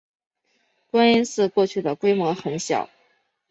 观音寺过去的规模很小。